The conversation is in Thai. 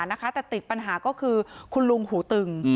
แต่ติดปัญหาก็คือคุณลุงหูตึง